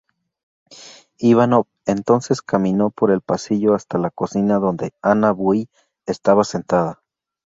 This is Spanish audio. Ivanov entonces caminó por el pasillo hasta la cocina donde Anna Bui estaba sentada.